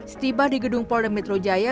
setiba di gedung polda metro jaya